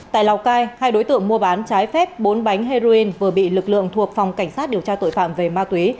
tại lào cai hai đối tượng mua bán trái phép bốn bánh heroin vừa bị lực lượng thuộc phòng cảnh sát điều tra tội phạm về ma túy